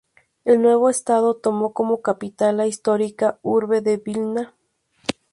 El nuevo estado tomó como capital la histórica urbe de Vilna.